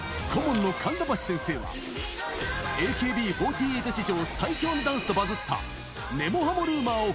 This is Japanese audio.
顧問の神田橋先生は、ＡＫＢ４８史上最強のダンスとバズった根も葉もＲｕｍｏｒ。